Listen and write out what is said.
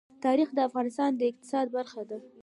تاریخ د افغانستان د اقتصاد برخه ده.